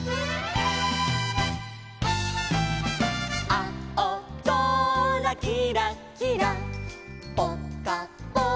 「あおぞらきらきらぽかぽかてんき」